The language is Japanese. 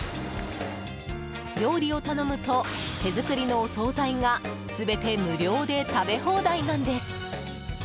料理を頼むと手作りのお総菜が全て無料で食べ放題なんです。